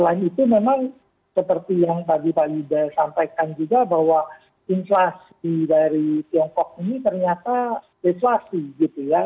dan itu memang seperti yang tadi pak ida sampaikan juga bahwa inflasi dari tiongkok ini ternyata resulasi gitu ya